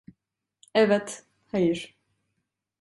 Evet, hayır.